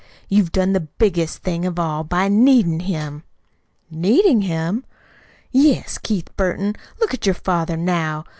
You've done the biggest thing of all by NEEDIN' him." "Needing him!" "Yes. Keith Burton, look at your father now.